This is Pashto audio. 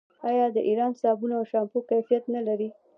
آیا د ایران صابون او شامپو کیفیت نلري؟